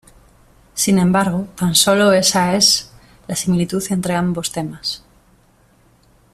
Sin embargo tan sólo esa es la similitud entre ambos temas.